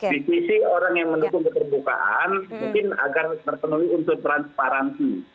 di sisi orang yang mendukung keterbukaan mungkin agar terpenuhi unsur transparansi